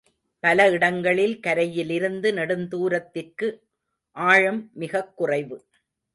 பல இடங்களில் கரையிலிருந்து நெடுந்தூரத்திற்கு ஆழம் மிகக் குறைவு.